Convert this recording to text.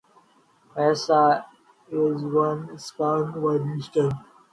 Misa Arizona Spokane Washington